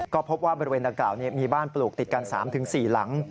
ก็พบว่าบริเวณดังกล่าวมีบ้านปลูกติดกัน๓๔หลัง